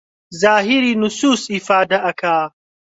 زاهیری نوسووس ئیفادە ئەکا